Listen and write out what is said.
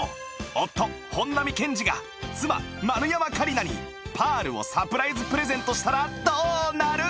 夫本並健治が妻丸山桂里奈にパールをサプライズプレゼントしたらどうなる？